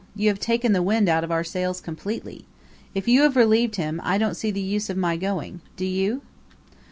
You have taken the wind out of our sails completely. If you have relieved him, I don't see the use of my going. Do you?"